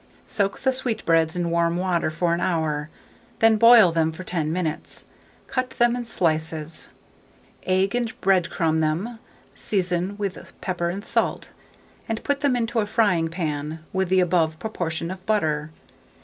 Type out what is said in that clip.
Soak the sweetbreads in warm water for an hour; then boil them for 10 minutes; cut them in slices, egg and bread crumb them, season with pepper and salt, and put them into a frying pan, with the above proportion of butter.